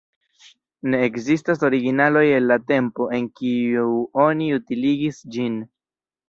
Ne ekzistas originaloj el la tempo, en kiu oni utiligis ĝin.